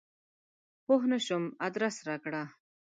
پوه نه شوم ادرس راکړه !